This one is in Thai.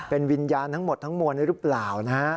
เป็นวิญญาณทั้งหมดทั้งมวลหรือเปล่านะฮะ